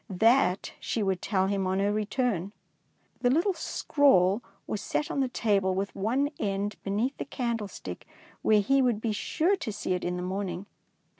That she would tell him on her return. The little scrawl was set on the table with one end be neath the candlestick, where he would be sure to see it in the morning.